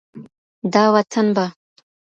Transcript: دا وطن به